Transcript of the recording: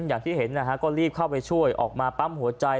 อย่างที่เห็นนะฮะก็รีบเข้าไปช่วยออกมาปั๊มหัวใจ